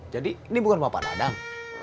jadi ini bukan bapak dadang